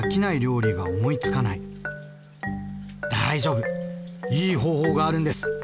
大丈夫いい方法があるんです。